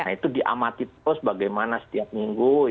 nah itu diamati terus bagaimana setiap minggu